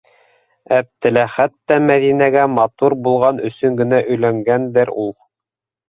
Әптеләхәт тә Мәҙинәгә... матур булған өсөн генә өйләнгәндер ул?